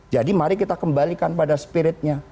jadi mari kita kembalikan pada spiritnya